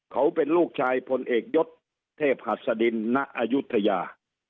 เขาเป็นลูกชายพลเอกยศเทพหัสดินณอายุทยา